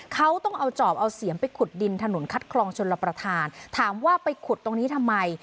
เขาต้องเอาจอบเอาเสียมไปขุดดินถนนคัดคลองชนรับประทานถามว่าไปขุดตรงนี้ทำไม